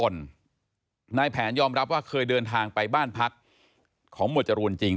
นายแผนยอมรับว่าเคยเดินทางไปบ้านพักของหมวดจรูนจริง